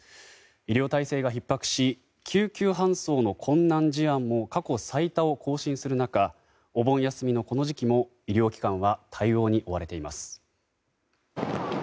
医療体制がひっ迫し救急搬送の困難事案も過去最多を更新する中お盆休みのこの時期も医療機関は対応に追われています。